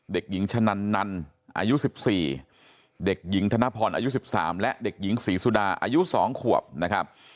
เด็กหญิงชะนันนันอายุ๑๔เด็กหญิงธนพรอายุ๑๓และเด็กหญิงศรีสุดาอายุ๒ขวบนะครับ